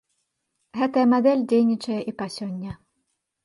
Гэтая мадэль дзейнічае і па сёння.